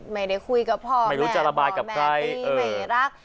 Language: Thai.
ไม่ได้คุยกับพ่อแม่ตีไม่รัก